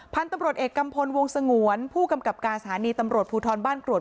พันธุ์ตำรวจเอกกัมพลวงสงวนผู้กำกับการสถานีตำรวจภูทรบ้านกรวด